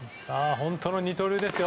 本当の二刀流ですよ。